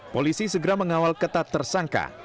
polisi segera mengawal ketat tersangka